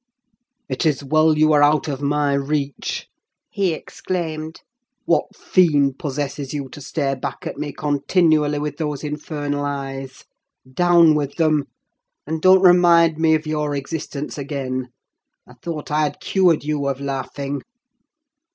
"It is well you are out of my reach," he exclaimed. "What fiend possesses you to stare back at me, continually, with those infernal eyes? Down with them! and don't remind me of your existence again. I thought I had cured you of laughing."